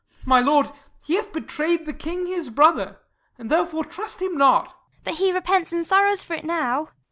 My lord, he hath betray'd the king his brother, And therefore trust him not. P. Edw. But he repents, and sorrows for it now.